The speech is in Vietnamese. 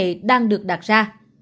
vấn đề đang được đặt ra